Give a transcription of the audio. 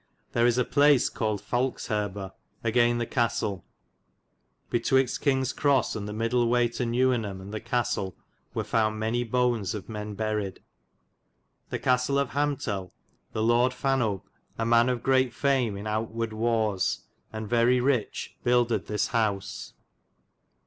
There is a place cauUid Falxherbar * agayn the castel. Betwixt Kinges Crose yn the midle way to Nevvenham and the castel were founde many bones of men buried. The castle of Hamtel.'^ The Lorde Fanope, a man of greate fame in owtewarde warres, and very riche, buildid this house.